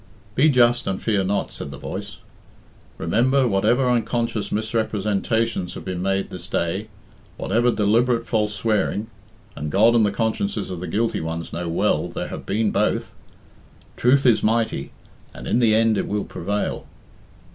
"Be just and fear not," said the voice. "Remember, whatever unconscious misrepresentations have been made this day, whatever deliberate false swearing (and God and the consciences of the guilty ones know well there have been both), truth is mighty, and in the end it will prevail."